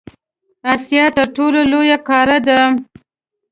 اسیا تر ټولو لویه قاره ده.